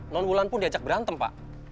non wulan pun diajak berantem pak